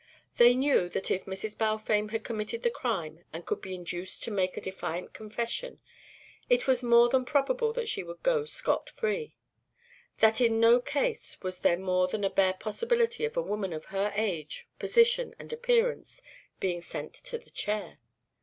They knew that if Mrs. Balfame had committed the crime and could be induced to make a defiant confession, it was more than probable that she would go scot free; that in no case was there more than a bare possibility of a woman of her age, position and appearance being sent to the chair.